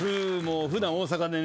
普段大阪でね